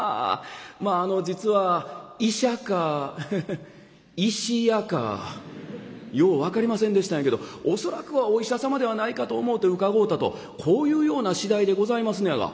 まああの実は医者か石屋かよう分かりませんでしたんやけど恐らくはお医者様ではないかと思うて伺うたとこういうような次第でございますねやが」。